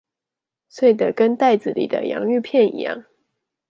碎得跟袋子裡的洋芋片一樣